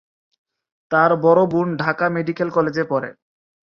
তার বড় বোন ঢাকা মেডিকেল কলেজে পড়ে।